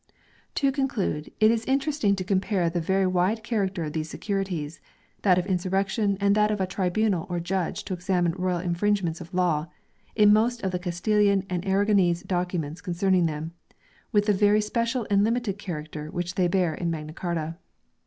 To conclude, it is interesting to compare the very wide character of these securities that of insurrection and that of a tribunal or judge to examine royal in fringements of law in most of the Castilian and Ara gonese documents concerning them, with the very special and limited character which they bear in Magna Carta.